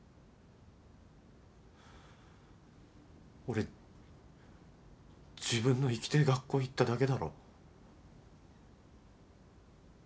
俺自分の行きてえ学校行っただけだろ。